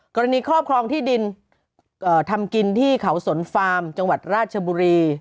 ครอบครองที่ดินทำกินที่เขาสนฟาร์มจังหวัดราชบุรี